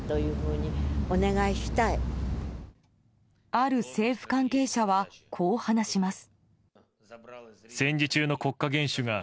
ある政府関係者はこう話します。